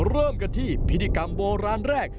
เริ่มกันที่พิธีกรรมโบราณแรก